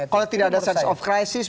kalau tidak ada sense of crisis